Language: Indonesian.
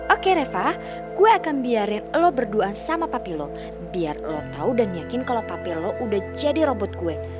oke reva gue akan biarin lo berdua sama papi lo biar lo tau dan yakin kalau papi lo udah jadi robot gue